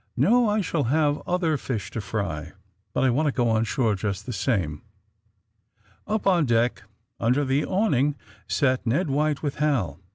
"No ; I shall have other fish to fry, but I want to go on shore just the same." Up on deck, under the awning, sat Ned White 178 THE STTBMA RTNE BOYS with Hal.